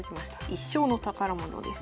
一生の宝物です。